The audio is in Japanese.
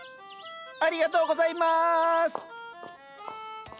ありがとうございます。